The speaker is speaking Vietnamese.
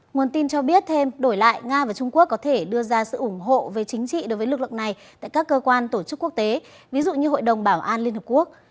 nguồn tin cho biết thêm đổi lại nga và trung quốc có thể đưa ra sự ủng hộ về chính trị đối với lực lượng này tại các cơ quan tổ chức quốc tế ví dụ như hội đồng bảo an liên hợp quốc